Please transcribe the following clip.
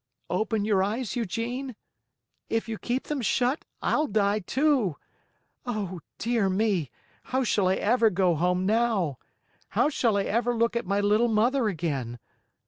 Open your eyes, Eugene? If you keep them shut, I'll die, too. Oh, dear me, how shall I ever go home now? How shall I ever look at my little mother again?